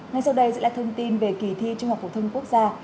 ngay sau đây sẽ là thông tin về kỳ thi trung học phổ thông quốc gia